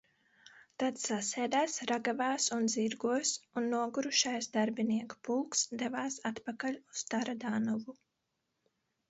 Tad sasēdās ragavās un zirgos un nogurušais darbinieku pulks devās atpakaļ uz Taradanovu.